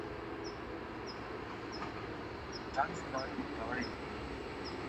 ஜான்ஸி ராணி அவளே.